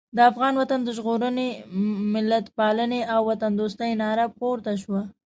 د افغان وطن د ژغورنې، ملتپالنې او وطندوستۍ ناره پورته شوه.